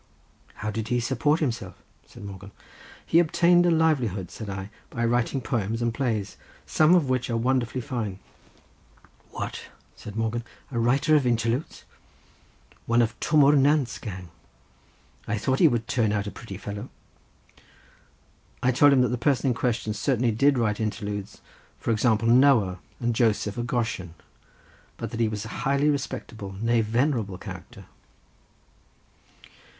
"How did he support himself?" said Morgan. "He obtained a livelihood," said I, "by writing poems and plays, some of which are wonderfully fine." "What," said Morgan, "a writer of Interludes? One of Twm o'r Nant's gang! I thought he would turn out a pretty fellow." I told him that the person in question certainly did write Interludes, for example Noah, and Joseph at Goshen, but that he was a highly respectable, nay venerable character.